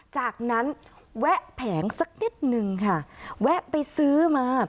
จากนั้นแวะแผงสักนิดนึงค่ะแวะไปซื้อมา